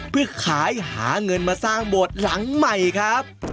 เพื่อขายหาเงินมาสร้างโบสถ์หลังใหม่ครับ